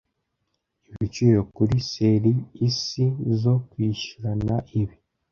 ibiciro kuri ser isi zo kwishyurana ibi